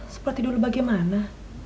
seperti dulu bagaimana